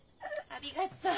ありがとう。